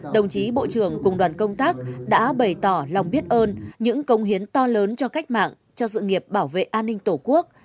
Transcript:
đồng chí bộ trưởng cùng đoàn công tác đã bày tỏ lòng biết ơn những công hiến to lớn cho cách mạng cho sự nghiệp bảo vệ an ninh tổ quốc